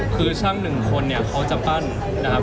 คือช่างหนึ่งคนเนี่ยเขาจะปั้นนะครับ